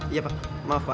iya pak maaf pak